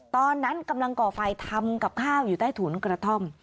ตอนนั้นกำลังก่อไฟทำกับข้าวอยู่ใต้ถุนกระท่อม